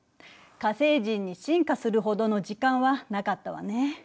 火星人に進化するほどの時間はなかったわね。